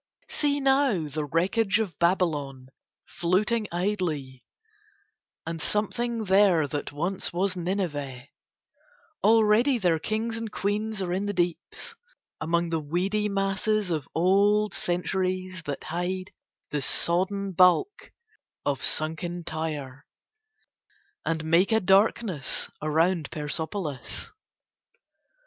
See now the wreckage of Babylon floating idly, and something there that once was Nineveh; already their kings and queens are in the deeps among the weedy masses of old centuries that hide the sodden bulk of sunken Tyre and make a darkness round Persepolis.